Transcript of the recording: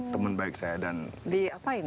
teman baik saya dan diapain